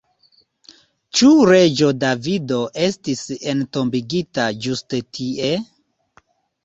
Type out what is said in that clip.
Ĉu reĝo Davido estis entombigita ĝuste tie?